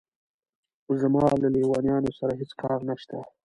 زما له لېونیانو سره هېڅ کار نشته.